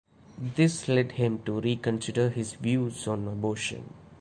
This led him to reconsider his views on abortion.